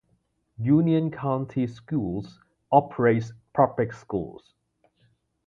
Union County Schools operates public schools.